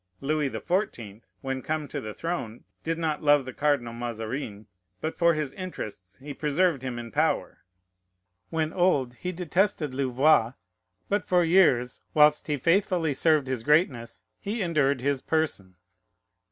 Louis the Fourteenth, when come to the throne, did not love the Cardinal Mazarin; but for his interests he preserved him in power. When old, he detested Louvois; but for years, whilst he faithfully served his greatness, he endured his person.